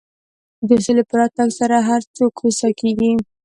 د سولې په راتګ سره هر څوک هوسا کېږي.